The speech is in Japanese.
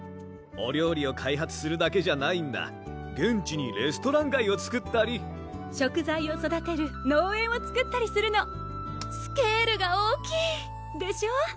お料理を開発するだけじゃないんだ現地にレストラン街をつくったり食材を育てる農園をつくったりするのスケールが大きい！でしょう？